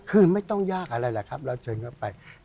คือไม่ต้องยากอะไรแหละครับเราเชิญเข้าไป